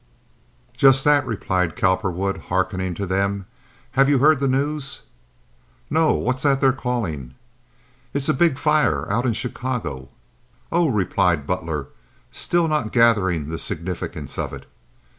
"Just that," replied Cowperwood, hearkening to them. "Have you heard the news?" "No. What's that they're calling?" "It's a big fire out in Chicago." "Oh," replied Butler, still not gathering the significance of it.